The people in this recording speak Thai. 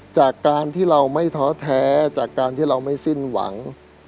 จากการที่เราไม่ท้อแท้จากการที่เราไม่สิ้นหวัง